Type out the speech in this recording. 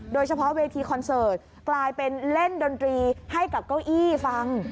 โดยเฉพาะเวทีคอนเสิร์ตกลายเป็นเล่นดนตรีให้กับเก้าอี้ฟัง